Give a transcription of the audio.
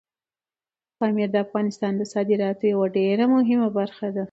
پامیر د افغانستان د صادراتو یوه ډېره مهمه برخه ده.